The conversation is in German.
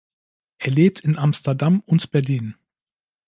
Er lebt in Amsterdam und Berlin.